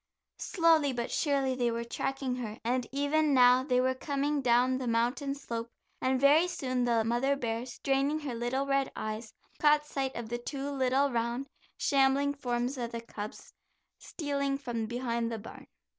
Slowly but surely they were tracking her and even now they were coming down the mountain slope, and very soon the mother bear, straining her little red eyes, caught sight of the two little round shambling forms of the cubs, stealing from behind the barn.